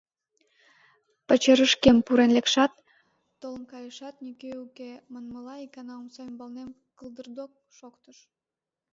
Пачерышкем пурен лекшат, толын кайышат нигӧ уке манмылан икана омса ӱмбалнем кылдырдок шоктыш.